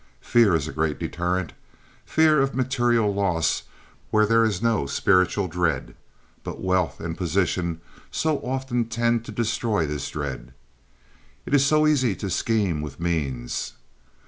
Fear is a great deterrent—fear of material loss where there is no spiritual dread—but wealth and position so often tend to destroy this dread. It is so easy to scheme with means.